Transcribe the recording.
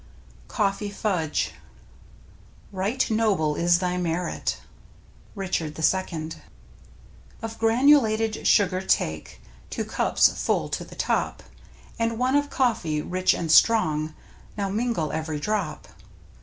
^^ COFFEE FUDGE Right noble is thy merit. — Richard II. Of granulated sugar take Two cups, full to the top, And one of coffee, rich and strong, Now mingle ev'ry drop.